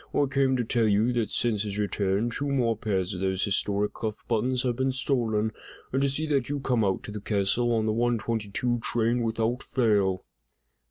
I came to tell you that since his return, two more pairs of those historic cuff buttons have been stolen, and to see that you come out to the castle on the one twenty two train without fail!"